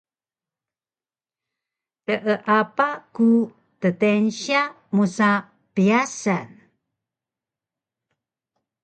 teapa ku ddeynsya musa pyasan